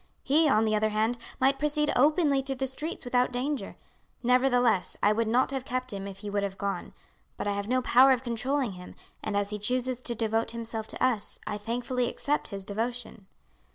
He, on the other hand, might proceed openly through the streets without danger; nevertheless, I would not have kept him if he would have gone; but I have no power of controlling him, and as he chooses to devote himself to us I thankfully accept his devotion.